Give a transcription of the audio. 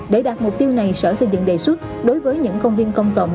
để đạt mục tiêu này sở xây dựng đề xuất đối với những công viên công cộng